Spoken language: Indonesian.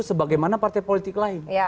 sebagaimana partai politik lain